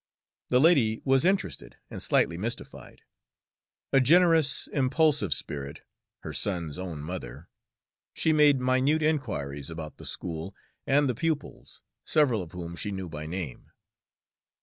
The lady was interested and slightly mystified. A generous, impulsive spirit, her son's own mother, she made minute inquiries about the school and the pupils, several of whom she knew by name.